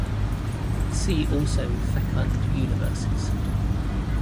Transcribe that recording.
See also Fecund universes.